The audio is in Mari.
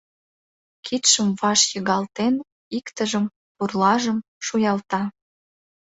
Кидшым ваш йыгалтен, иктыжым, пурлажым, шуялта.